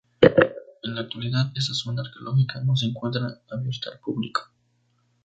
En la actualidad, esta zona arqueológica no se encuentra abierta al público.